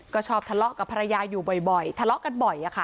ก็ชอบทะเลาะกับภรรยาอยู่บ่อยทะเลาะกันบ่อย